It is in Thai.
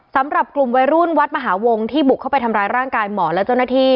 สำหรับกลุ่มวัยรุ่นวัดมหาวงที่บุกเข้าไปทำร้ายร่างกายหมอและเจ้าหน้าที่